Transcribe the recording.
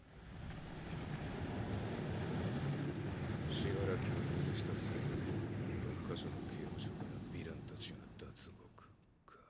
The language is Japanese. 死柄木を逃がしたせいで６か所の刑務所からヴィラン達が脱獄か。